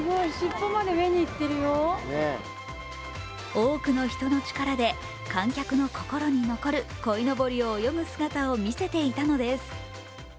多くの人の力で観客の心に残るこいのぼりの泳ぐ姿を見せていたのです。